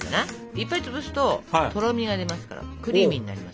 いっぱい潰すととろみが出ますからクリーミーになります。